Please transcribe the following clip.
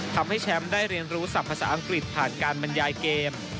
ทำให้แชมป์ได้เรียนรู้ศัพทภาษาอังกฤษผ่านการบรรยายเกม